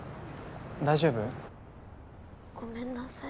大丈夫？ごめんなさい。